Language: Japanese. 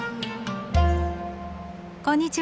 こんにちは。